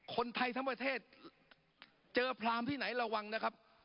คนไทยทั้งประเทศเจอพรามที่ไหนระวังนะครับ